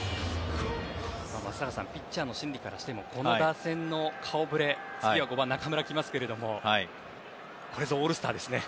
松坂さんピッチャーの心理からしてもこの打線の顔ぶれ次は５番、中村が来ますけどこれぞオールスターですね。